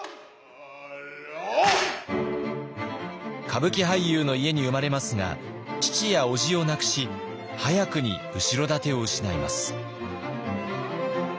歌舞伎俳優の家に生まれますが父やおじを亡くし早くに後ろ盾を失います。